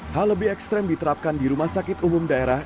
hal lebih ekstrem diterapkan di rumah sakit umum daerah